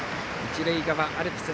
一塁側アルプス